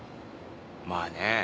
まぁね